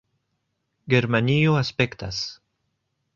Germanio aspektas